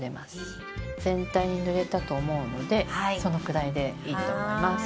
全体に塗れたと思うのでそのくらいでいいと思います。